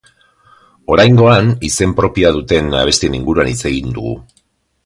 Oraingoan, izen propioa duten abestien inguruan hitz egin dugu.